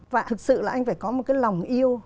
và thực sự là anh phải có một cái lòng yêu